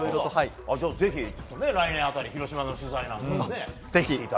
ぜひ、来年辺り広島の取材なんかもね。